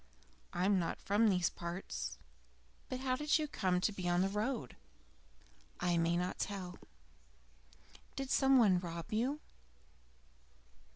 "I am not from these parts." "But how did you come to be on the road?" "I may not tell." "Did some one rob you?"